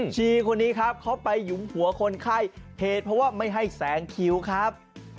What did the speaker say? ชีคนนี้ครับเขาไปหยุมหัวคนไข้เหตุเพราะว่าไม่ให้แสงคิ้วครับ